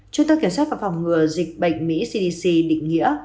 trung tâm kiểm soát và phòng ngừa dịch bệnh mỹ cdc định nghĩa